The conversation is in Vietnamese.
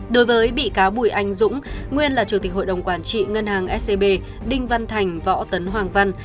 đối với bị cáo bùi anh dũng nguyên là chủ tịch hội đồng quản trị ngân hàng scb đinh văn thành võ tấn hoàng văn